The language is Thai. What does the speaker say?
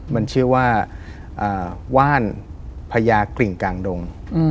มันชื่อว่าว่านพญากริ่งกลางดง